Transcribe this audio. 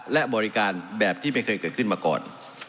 และบริการแบบที่ไม่เคยเกิดขึ้นมาก่อน